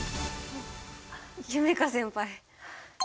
夢叶先輩！